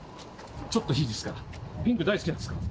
ちょっといいですか？